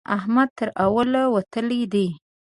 احمد تر اول وتلی دی.